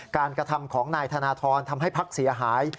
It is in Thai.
กระทำของนายธนทรทำให้พักเสียหาย